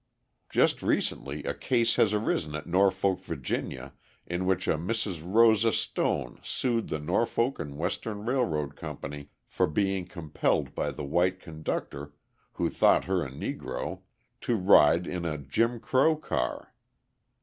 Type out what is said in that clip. Just recently a case has arisen at Norfolk, Va., in which a Mrs. Rosa Stone sued the Norfolk & Western Railroad Company for being compelled by the white conductor, who thought her a Negro, to ride in a "Jim Crow" car.